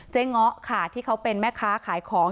เงาะค่ะที่เขาเป็นแม่ค้าขายของ